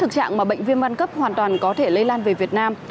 thực trạng mà bệnh viêm gan cấp hoàn toàn có thể lây lan về việt nam